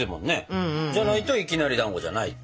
じゃないといきなりだんごじゃないって。